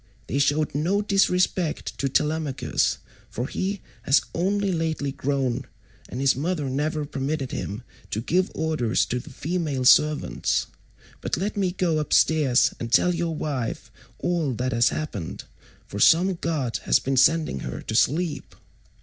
They showed no disrespect to Telemachus, for he has only lately grown and his mother never permitted him to give orders to the female servants; but let me go upstairs and tell your wife all that has happened, for some god has been sending her to sleep."